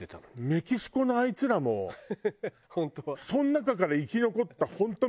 メキシコのあいつらもその中から生き残った本当